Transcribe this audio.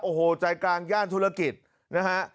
โอ้โหใจกลางย่านธุรกิจนะฮะ